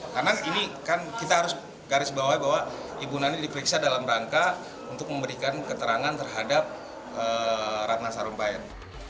karena ini kan kita harus garis bawah bahwa ibu nanti diperiksa dalam rangka untuk memberikan keterangan terhadap ratna sarumpait